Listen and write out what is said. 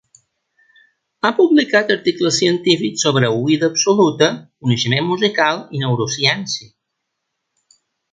Ha publicat articles científics sobre oïda absoluta, coneixement musical i neurociència.